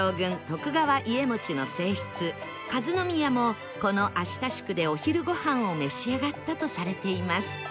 徳川家茂の正室和宮もこの芦田宿でお昼ごはんを召し上がったとされています